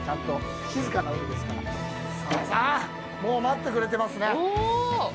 さあさあ、もう待ってくれてますね。